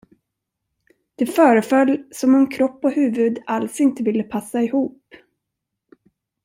Det föreföll, som om kropp och huvud alls inte ville passa ihop.